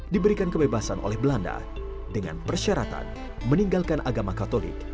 diberikan kebebasan oleh belanda dengan persyaratan meninggalkan agama katolik